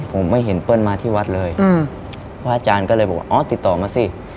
ผมไม่เห็นเปิ้ลมาที่วัดเลยพระอาจารย์ก็เลยบอกว่าอ๋อติดต่อมาสิ